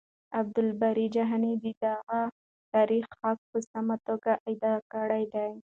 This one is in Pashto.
عبدالباري جهاني د دغه تاريخ حق په سمه توګه ادا کړی دی.